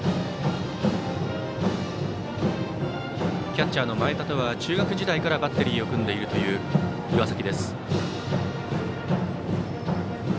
キャッチャーの前田とは中学時代からバッテリーを組んでいるという岩崎です。